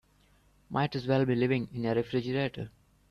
Might as well be living in a refrigerator.